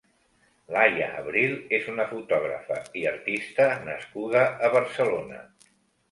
Laia Abril és una fotògrafa i artista nascuda a Barcelona.